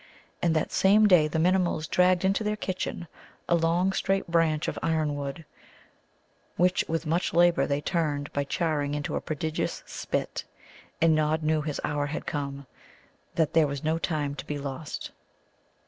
And that same day the Minimuls dragged into their kitchen a long straight branch of iron wood, which with much labour they turned by charring into a prodigious spit. And Nod knew his hour was come, that there was no time to be lost.